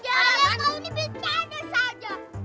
alamak kau ini bencana saja